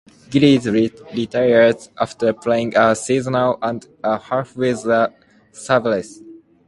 Gillies retired after playing a season and a half with the Sabres.